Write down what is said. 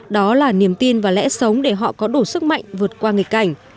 đó là niềm tin và lẽ sống để họ có đủ sức mạnh vượt qua nghịch cảnh